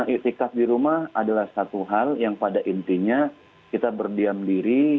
istikaf di rumah adalah satu hal yang pada intinya kita berdiam diri